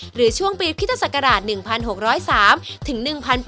หรือช่วงปีพุทธศักราช๑๖๐๓ถึง๑๘๐